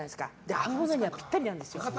揚げ物にはぴったりなんですよ。